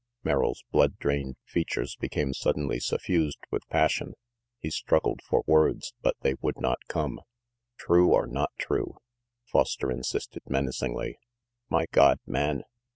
Merrill's blood drained features became suddenly suffused with passion. He struggled for words, but they would not come. "True or not true?" Foster insisted menacingly. "My God, man!"